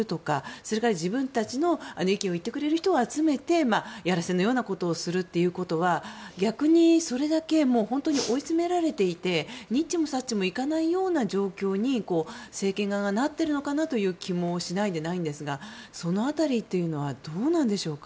それから自分たちの意見を言ってくれる人を集めてやらせのようなことをするということは逆に、それだけ追い詰められていてにっちもさっちもいかないような状況に政権側がなっているような気もしますがその辺りというのはどうなんでしょうか。